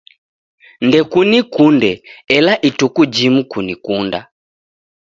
Ndekunikunde ela ituku jimu kunikunda.